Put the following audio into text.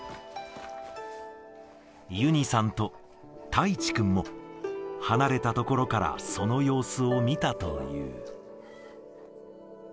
ユニさんとタイチくんも、離れた所からその様子を見たという。